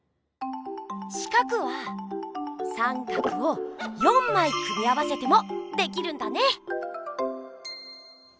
四角は三角を４まい組み合わせてもできるんだね！